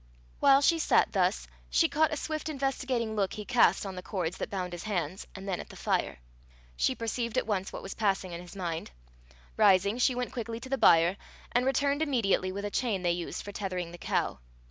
While she sat thus, she caught a swift investigating look he cast on the cords that bound his hands, and then at the fire. She perceived at once what was passing in his mind. Rising, she went quickly to the byre, and returned immediately with a chain they used for tethering the cow.